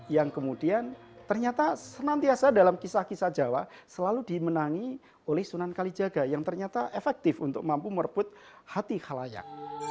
yang kemudian ternyata senantiasa dalam kisah kisah jawa selalu dimenangi oleh sunan kalijaga yang ternyata efektif untuk mampu merebut hati halayak